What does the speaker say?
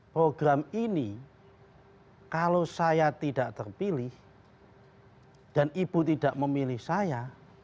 program ini kalau saya tidak terpilih dan ibu tidak memilih saya